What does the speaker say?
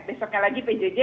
besoknya lagi pjj